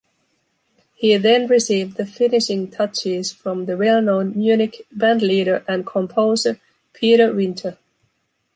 He then received the "finishing touches" from the well-known Munich bandleader and composer Peter Winter.